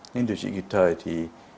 nên điều trị kịp thời thì